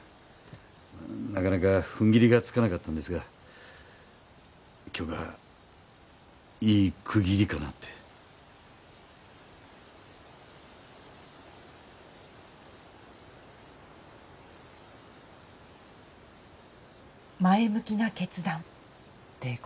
なかなかふんぎりがつかなかったんですが今日がいい区切りかなって前向きな決断て